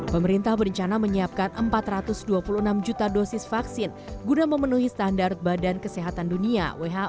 pemerintah berencana menyiapkan empat ratus dua puluh enam juta dosis vaksin guna memenuhi standar badan kesehatan dunia